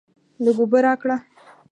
لږ اوبه راکړه!